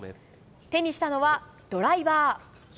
手にしたのはドライバー。